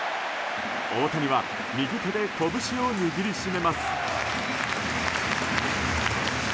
大谷は右手で拳を握り締めます。